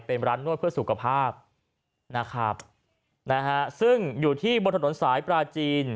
เป็นร้านนวดเพื่อสุขภาพนะครับนะฮะซึ่งอยู่ที่บนถนนสายปลาจีน